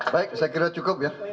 baik saya kira cukup ya